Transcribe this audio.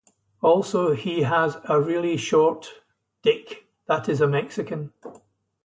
Also he has a really short d!ck that is a mexican.